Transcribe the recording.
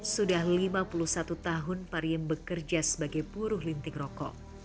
sudah lima puluh satu tahun pariem bekerja sebagai buruh linting rokok